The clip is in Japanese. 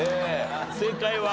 正解は？